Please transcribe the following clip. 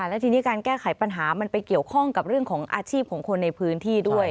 และทีนี้การแก้ไขปัญหามันไปเกี่ยวข้องกับเรื่องของอาชีพของคนในพื้นที่ด้วย